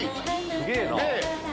すげぇな！